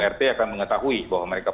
rt akan mengetahui bahwa mereka